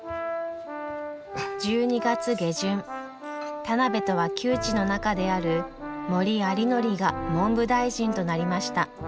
１２月下旬田邊とは旧知の仲である森有礼が文部大臣となりました。